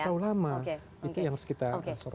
terlalu lama itu yang harus kita soroti